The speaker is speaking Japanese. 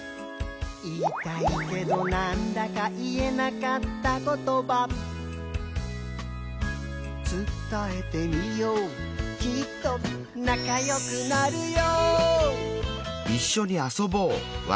「言いたいけどなんだか言えなかったことば」「つたえてみようきっとなかよくなるよ」